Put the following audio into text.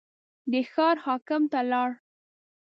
د ښار حاکم ته لاړ.